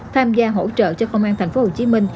tham gia hỗ trợ cho công an tp hcm